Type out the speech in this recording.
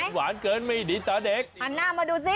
หวานเกินไม่ดีต่อเด็กหันหน้ามาดูสิ